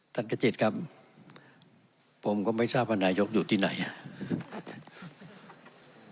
กระจิตครับผมก็ไม่ทราบว่านายกอยู่ที่ไหนอ่ะ